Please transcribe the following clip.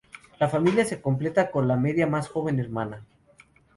La familia se completa con la media más joven hermana.